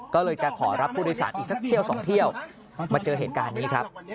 ก็เลยจะขอรับผู้โดยสารอีกสักเที่ยวสองเที่ยวมาเจอเหตุการณ์นี้ครับ